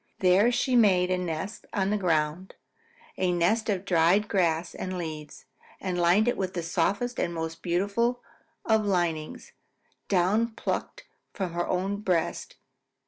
There she made a nest on the ground, a nest of dried grass and leaves, and lined it with the softest and most beautiful of linings, down plucked from her own breast.